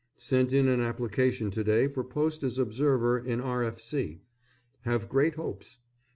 Sent in an application to day for post as observer in R.F.C. Have great hopes.